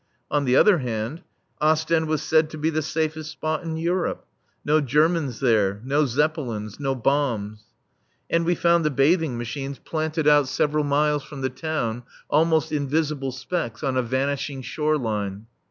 On the other hand, Ostend was said to be the safest spot in Europe. No Germans there. No Zeppelins. No bombs. And we found the bathing machines planted out several miles from the town, almost invisible specks on a vanishing shore line.